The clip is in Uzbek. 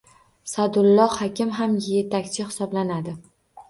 Sadulloh Hakim ham yetakchi hisoblanadi